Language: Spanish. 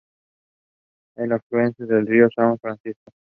Es afluente del río São Francisco.